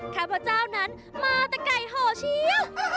ข้าพเจ้านั้นมาแต่ไก่ห่อเชียว